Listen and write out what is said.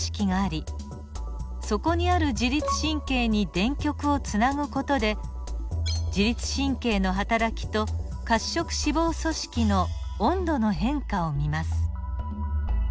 そこにある自律神経に電極をつなぐ事で自律神経のはたらきと褐色脂肪組織の温度の変化を見ます。